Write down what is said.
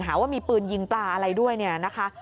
หาว่ามีปืนยิงปลาอะไรด้วยเนี่ยนะคะ